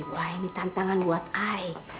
wah ini tantangan buat ai